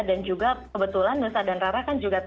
dan juga sebetulnya nusa dan rara kan juga tahu